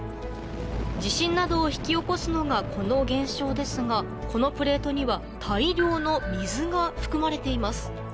地震などを引き起こすのがこの現象ですがこのプレートには大量の水が含まれています